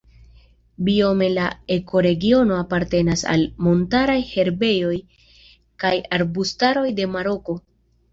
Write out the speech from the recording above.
Biome la ekoregiono apartenas al montaraj herbejoj kaj arbustaroj de Maroko.